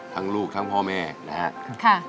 ลูกทั้งพ่อแม่นะครับ